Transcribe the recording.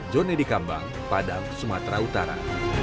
jone di kambang padang sumatera utara